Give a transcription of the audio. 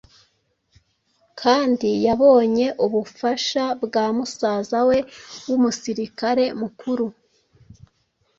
kandi yabonye ubufasha bwa musaza we w’umusirikare mukuru .